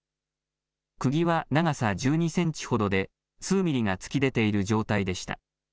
くぎは長さ１２センチほどで数ミリが突き出ている状態でした。